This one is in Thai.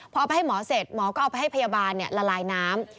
พอไปให้หมอเสร็จหมอก็เอาไปให้พยาบาลละลายน้ำ